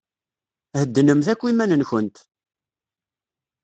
Heddnemt akk iman-nkent!